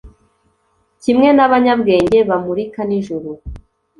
kimwe nabanyabwenge bamurika nijoro